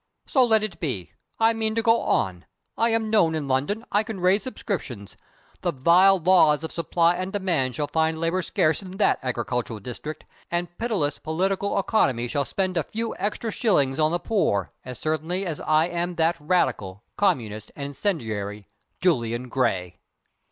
So let it be! I mean to go on. I am known in London; I can raise subscriptions. The vile Laws of Supply and Demand shall find labor scarce in that agricultural district; and pitiless Political Economy shall spend a few extra shillings on the poor, as certainly as I am that Radical, Communist, and Incendiary Julian Gray!"